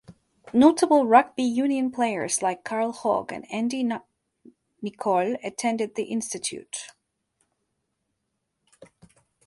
Notable rugby union players like Carl Hogg and Andy Nicol attended the Institute.